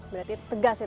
berarti tegas ya